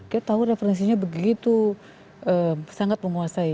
kita tahu referensinya begitu sangat menguasai